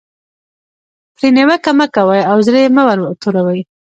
پرې نیوکه مه کوئ او زړه یې مه ور توروئ.